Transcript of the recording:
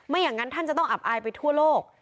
อย่างนั้นท่านจะต้องอับอายไปทั่วโลก